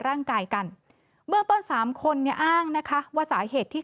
ร่างกายกันเบื้องต้นสามคนเนี่ยอ้างนะคะว่าสาเหตุที่